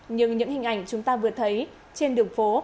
nhưng những hình ảnh chúng ta vừa thấy trên đường phố